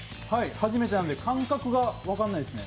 初めてなんで、感覚が分からないですね。